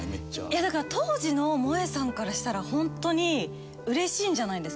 いやだから当時のもえさんからしたら本当にうれしいんじゃないですか。